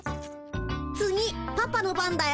次パパの番だよ。